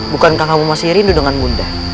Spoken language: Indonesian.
bukankah kamu masih rindu dengan mudah